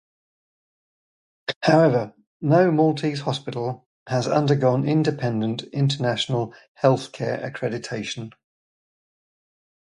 However, no Maltese hospital has undergone independent international healthcare accreditation.